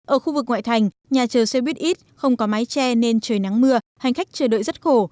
ở khu vực ngoại thành nhà chờ xe buýt ít không có mái tre nên trời nắng mưa hành khách chờ đợi rất khổ